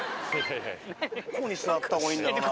どこに座った方がいいんだろうな。